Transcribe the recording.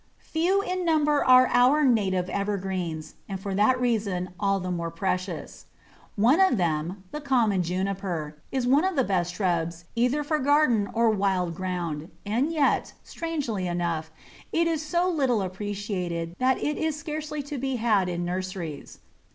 Few in number are our native evergreens, and for that reason all the more precious. One of them, the common Juniper, is one of the best of shrubs either for garden or wild ground, and yet, strangely enough, it is so little appreciated that it is scarcely to be had in nurseries.